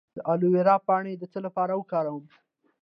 د الوویرا پاڼې د څه لپاره وکاروم؟